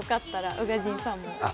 宇賀神さんも。